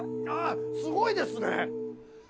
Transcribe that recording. すごいですね！